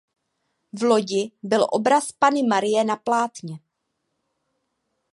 V lodi byl obraz "Panny Marie na plátně".